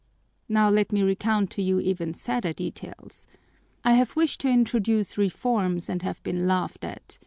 "Now let me recount to you even sadder details. I have wished to introduce reforms and have been laughed at.